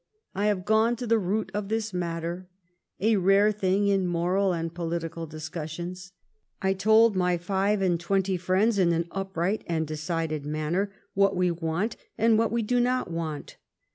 I have gone to tlie root of this matter — a rare thing in moral and political discussions. I told my five and twenty friends in an upright and decided manner what we want and what we do not want.